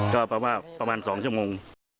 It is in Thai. ก็ประมาณ๒ชั่วโมง